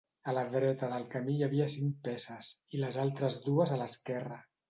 A la dreta del camí hi havia cinc peces, i les altres dues a l'esquerra.